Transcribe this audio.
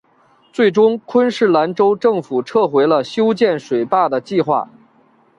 最终昆士兰州政府撤回了修建水坝的计划。